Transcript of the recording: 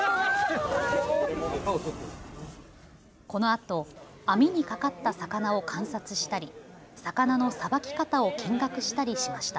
このあと網にかかった魚を観察したり魚のさばき方を見学したりしました。